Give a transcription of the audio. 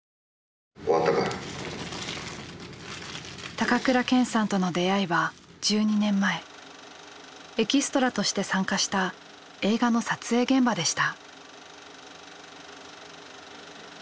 高倉健さんとの出会いは１２年前エキストラとして参加した映画の撮影現場でした。